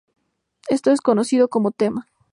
Esto es conocido como tema.